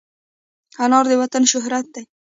انار د وطن شهرت دی.